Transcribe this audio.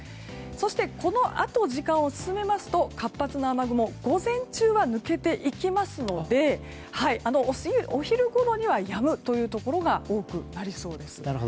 そしてこのあと時間を進めますと活発な雨雲午前中は抜けていきますのでお昼ごろにはやむところが多くありそうです。